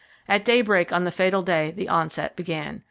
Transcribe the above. At daybreak on the fatal day, the onset began.